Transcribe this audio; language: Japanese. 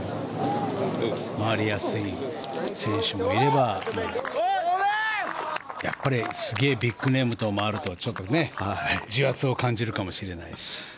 回りやすい選手もいればやっぱりすげえビッグネームと回るとちょっと重圧を感じるかもしれないし。